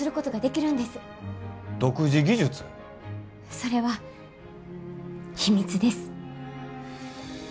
それは秘密です。